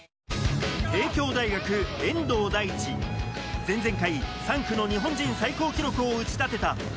帝京大学・遠藤大地、前々回、３区の日本人最高記録を打ち立てた。